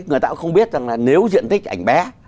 người ta cũng không biết rằng là nếu diện tích ảnh bé